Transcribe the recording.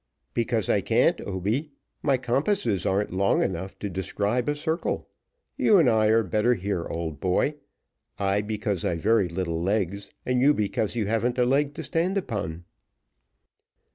"Because I can't, Oby; my compasses arn't long enough to describe a circle. You and I are better here, old boy. I, because I've very little legs, and you, because you havn't a leg to stand upon."